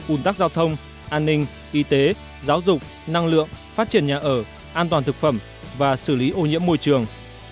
ủn tắc giao thông an ninh y tế giáo dục năng lượng phát triển nhà ở an toàn thực phẩm và xử lý ô nhiễm môi trường